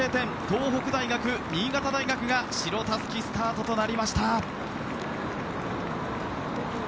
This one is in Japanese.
東北大学、新潟大学が白たすきスタートとなりました。